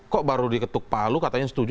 kok baru diketuk palu katanya setuju